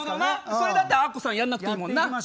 それだってアッコさんやんなくていいもんな。